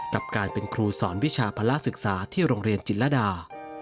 กับการเป็นครูสอนวิชาภาระศึกษาที่โรงเรียนจิตรดา